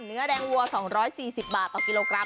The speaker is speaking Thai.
เนื้อแดงวัว๒๔๐บาทต่อกิโลกรัม